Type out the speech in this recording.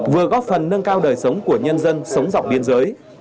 vừa góp phần nâng cao đời sống của nhân dân sống dọc biên giới